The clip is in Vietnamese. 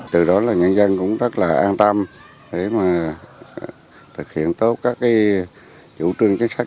từ đó là nhân dân cũng rất là an tâm để mà thực hiện tốt các chủ trương chính sách